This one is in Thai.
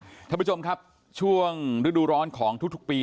คุณผู้ชมครับช่วงฤดูร้อนของทุกปี